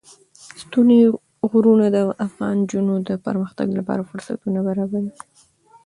ستوني غرونه د افغان نجونو د پرمختګ لپاره فرصتونه برابروي.